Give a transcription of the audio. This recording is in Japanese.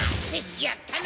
やったな！